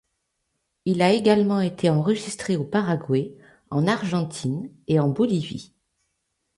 Il a également été enregistré au Paraguay, en Argentine et en Bolivie.